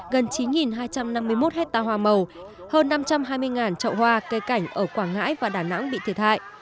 gần chín hai trăm năm mươi một hectare hoa màu hơn năm trăm hai mươi trậu hoa cây cảnh ở quảng ngãi và đà nẵng bị thiệt hại